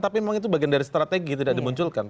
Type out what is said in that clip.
tapi memang itu bagian dari strategi tidak dimunculkan